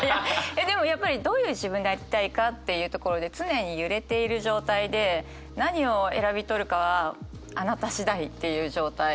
でもやっぱりどういう自分でありたいかっていうところで常に揺れている状態で何を選び取るかはあなた次第っていう状態。